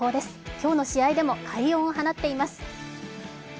今日の試合でも快音を放っています。